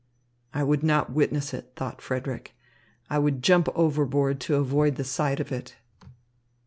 "I would not witness it," thought Frederick. "I would jump overboard to avoid the sight of it.